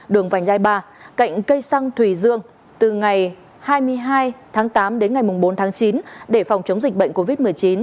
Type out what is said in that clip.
đường vành đai ba cạnh cây xăng thùy dương từ ngày hai mươi hai tháng tám đến ngày bốn tháng chín để phòng chống dịch bệnh covid một mươi chín